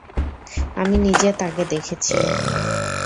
আমি নিজে তাকে দেখেছি।